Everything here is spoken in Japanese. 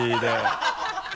ハハハ